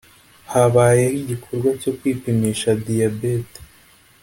Habayeho igikorwa cyo kwipimisha diyabete